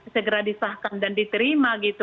segera disahkan dan diterima gitu